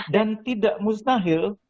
dan tidak mustahil